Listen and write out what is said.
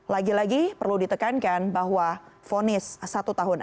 lagi lagi perlu ditekankan bahwa vonis satu tahun